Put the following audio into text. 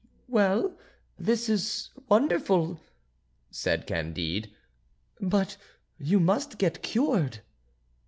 "Well, this is wonderful!" said Candide, "but you must get cured."